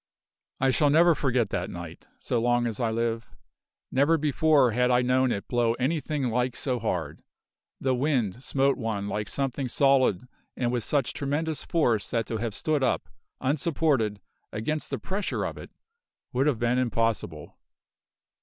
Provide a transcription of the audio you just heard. I shall never forget that night, so long as I live. Never before had I known it blow anything like so hard; the wind smote one like something solid and with such tremendous force that to have stood up, unsupported, against the pressure of it, would have been impossible.